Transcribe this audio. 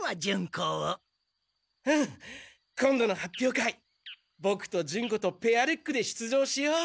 今度の発表会ボクとジュンコとペアルックで出場しよう。